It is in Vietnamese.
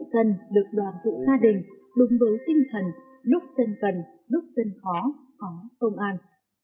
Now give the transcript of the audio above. dân được đoàn tụ gia đình đúng với tinh thần lúc dân cần lúc dân khó khó công an